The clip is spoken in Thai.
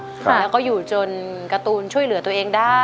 แล้วก็อยู่จนการ์ตูนช่วยเหลือตัวเองได้